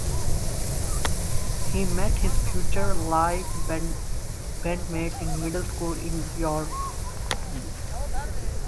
He met his future Live bandmates in middle school in York.